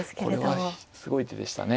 これはすごい手でしたね。